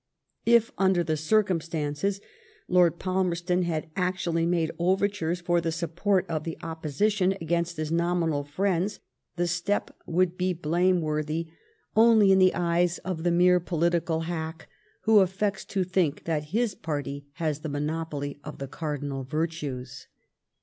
If, under dM circumstances. Lord Palmerston had actually madfr overtures for the support of the Opposition against his nominal friends, the step should be blameworthjr HOME AFFAIRS. 20» 0Bly in the eyes of the mere political hack, who affeots to think that his party has the monopoly of the Mrdiaal virtues.